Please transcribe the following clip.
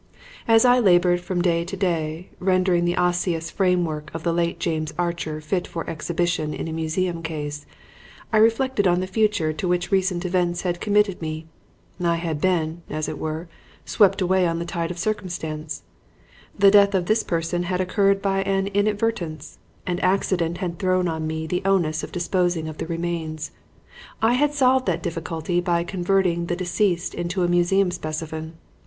As I labored from day to day rendering the osseous framework of the late James Archer fit for exhibition in a museum case, I reflected on the future to which recent events had committed me. I had been, as it were, swept away on the tide of circumstance. The death of this person had occurred by an inadvertence, and accident had thrown on me the onus of disposing of the remains. I had solved that difficulty by converting the deceased into a museum specimen.